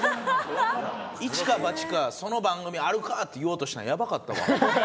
一か八か、その番組あるかって言おうとしたん、やばかったわ。